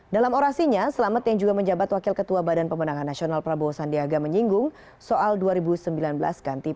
dalam orasinya selamat yang juga menjabat wakil ketua badan pemenangan nasional prabowo sandiaga menyinggung soal dua ribu sembilan belas ganti presiden